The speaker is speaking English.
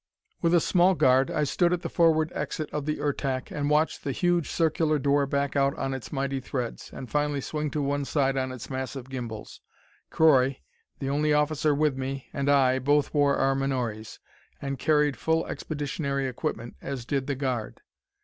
With a small guard, I stood at the forward exit of the Ertak and watched the huge circular door back out on its mighty threads, and finally swing to one side on its massive gimbals. Croy the only officer with me and I both wore our menores, and carried full expeditionary equipment, as did the guard.